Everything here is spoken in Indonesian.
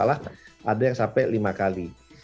ada yang lima kali